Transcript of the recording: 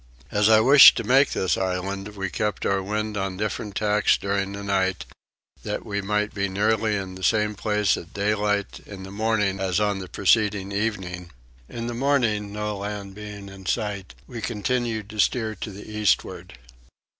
As I wished to make this island we kept our wind on different tacks during the night, that we might be nearly in the same place at daylight in the morning as on the preceding evening: in the morning no land being in sight we continued to steer to the eastward.